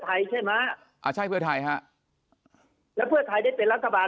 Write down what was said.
ใช่ไหมอ่าใช่เพื่อไทยฮะแล้วเพื่อไทยได้เป็นรัฐบาล